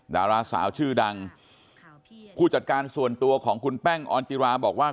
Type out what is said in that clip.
ดาราสาวชื่อดังผู้จัดการส่วนตัวของคุณแป้งออนจิราบอกว่า